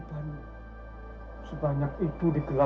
bahwa dengan hanya satu malam